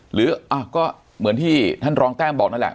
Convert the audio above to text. หรือก็เหมือนที่ท่านรองแต้มบอกนั่นแหละ